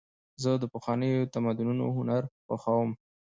زه د پخوانیو تمدنونو هنر خوښوم.